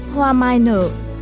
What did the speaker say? hoa mai nở